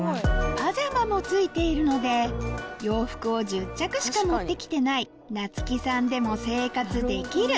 パジャマも付いているので洋服を１０着しか持って来てないなつきさんでも生活できる！